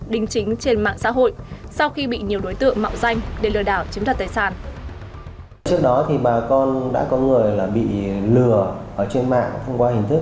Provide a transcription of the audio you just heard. đính chính trên mạng xã hội sau khi bị nhiều đối tượng mạo danh để lừa đảo chiếm đặt tài sản